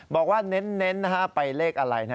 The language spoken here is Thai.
บอกว่าเน้นนะฮะไปเลขอะไรนะ